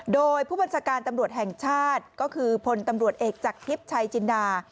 โดยผู้บัญชาการตำรวจแห่งชาติก็คือพลตำรวจเอกจากทิพย์ชัยจินดา